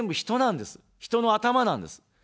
人の頭なんです。